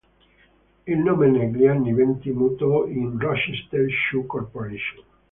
Il nome negli anni venti mutò in "Rochester Shoe Corporation".